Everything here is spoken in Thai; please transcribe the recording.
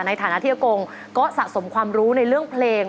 ในฐานะที่อากงก็สะสมความรู้ในเรื่องเพลง